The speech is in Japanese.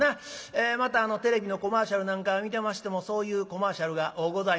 またテレビのコマーシャルなんか見てましてもそういうコマーシャルが多うございます。